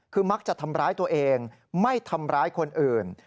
คือมักจะทำร้ายตัวเองไม่ทำร้ายคนอื่น